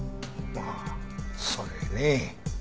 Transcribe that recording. ああそれね。